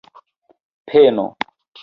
peno